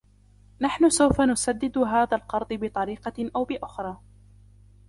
نحن سوف نسدد هذا القرض بطريقة أو بأخرى.